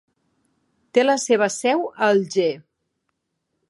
Té la seva seu a Alger.